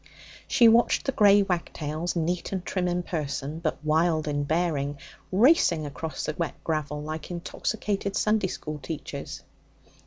She watched the grey wagtails, neat and trim in person, but wild in bearing, racing across the wet gravel like intoxicated Sunday school teachers.